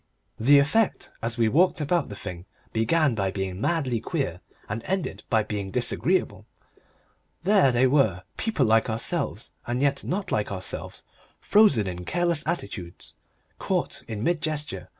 The effect as we walked about the thing began by being madly queer, and ended by being disagreeable. There they were, people like ourselves and yet not like ourselves, frozen in careless attitudes, caught in mid gesture.